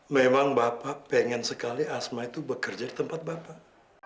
memang bapak pengen sekali asma itu bekerja di tempat bapak